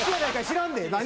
知らんで何？